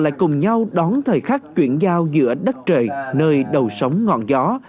họ lại cùng nhau đón thời khắc chuyển giao giữa đất trời nơi đầu sống ngọn gió